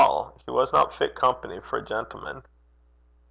He wasna fit company for a gentleman.'